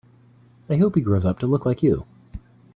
I hope he grows up to look like you.